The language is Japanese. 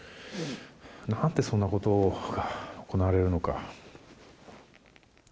何でそんなことが行われるのか。